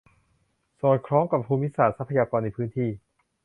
สอดคล้องกับภูมิศาสตร์ ทรัพยากร ในพื้นที่